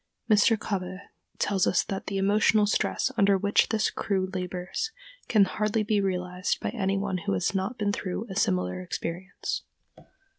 Mr. Kobbé tells us that the emotional stress under which this crew labors can hardly be realized by any one who has not been through a similar experience.